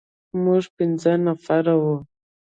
موږ پنځه نفر وو.